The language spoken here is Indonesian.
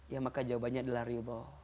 ya maka jawabannya adalah ridho